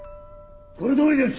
この通りです！